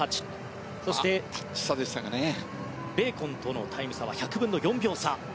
そしてベーコンとのタイム差は１００分の４秒差。